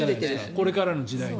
これからの時代に。